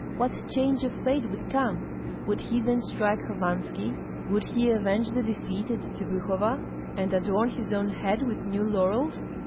What change of fate would come? Would he then strike Hovanski, would he avenge the defeat at Tsibyhova, and adorn his own head with new laurels?